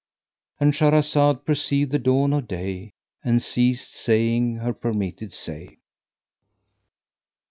—And Shahrazad perceived the dawn of day and ceased saying her permitted say.